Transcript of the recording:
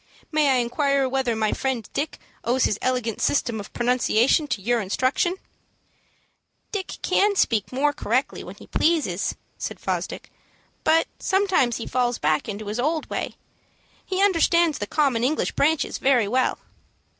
"May I inquire whether my friend Dick owes his elegant system of pronunciation to your instructions?" "Dick can speak more correctly when he pleases," said Fosdick; "but sometimes he falls back into his old way. He understands the common English branches very well."